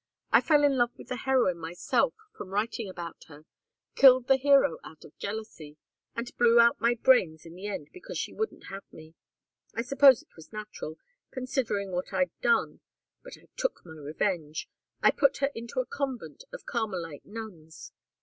I fell in love with the heroine myself from writing about her, killed the hero out of jealousy, and blew out my brains in the end because she wouldn't have me. I suppose it was natural, considering what I'd done, but I took my revenge. I put her into a convent of Carmelite nuns.